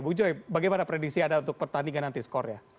bu joy bagaimana prediksi anda untuk pertandingan nanti skornya